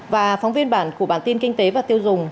và phóng viên bản của bản tin kinh tế và tiêu dùng